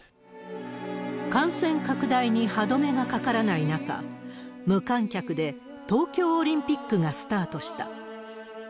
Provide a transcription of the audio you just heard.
感染拡大に歯止めがかからない中、無観客で東京オリンピックがスタートした。